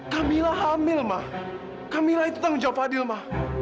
kamila hamil ma kamila itu tanggung jawab fadl ma